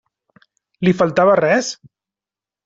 Li faltava res?